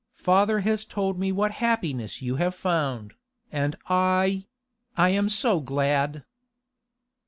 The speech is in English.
Father has told me what happiness you have found, and I—I am so glad!